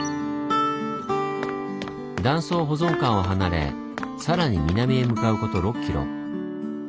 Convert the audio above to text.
断層保存館を離れさらに南へ向かうこと６キロ。